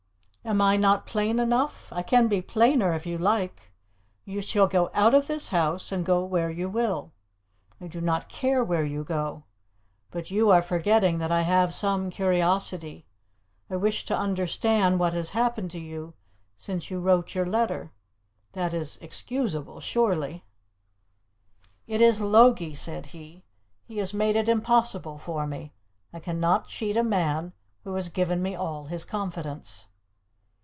"Am I not plain enough? I can be plainer if you like. You shall go out of this house and go where you will. I do not care where you go. But you are forgetting that I have some curiosity. I wish to understand what has happened to you since you wrote your letter. That is excusable, surely." "It is Logie," said he. "He has made it impossible for me. I cannot cheat a man who has given me all his confidence."